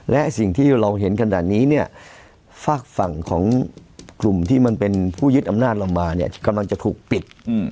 และสิ่งที่เราเห็นขนาดนี้เนี่ยฝากฝั่งของกลุ่มที่มันเป็นผู้ยึดอำนาจเรามาเนี่ยกำลังจะถูกปิด